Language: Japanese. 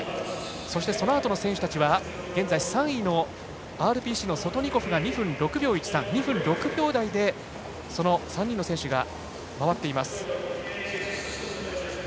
そして、そのあとの選手たちは現在３位のＲＰＣのソトニコフが２分６秒１３、２分６秒台でその３人の選手が回っています。